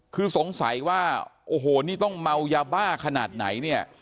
คือสงสัยว่าโอ้โหนี่ต้องเมายาบ้าขนาดไหนเนี่ย